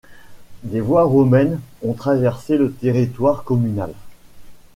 Des voies romaines ont traversé le territoire communal.